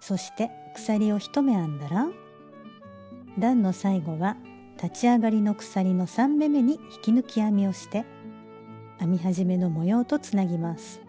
そして鎖を１目編んだら段の最後は立ち上がりの鎖の３目めに引き抜き編みをして編み始めの模様とつなぎます。